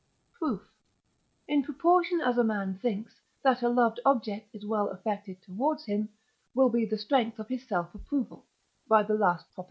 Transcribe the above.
Proof. In proportion as a man thinks, that a loved object is well affected towards him, will be the strength of his self approval (by the last Prop.)